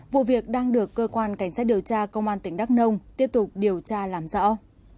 vụ việc đang được cơ quan cảnh sát điều tra công an tỉnh đắk nông tiếp tục điều tra làm rõ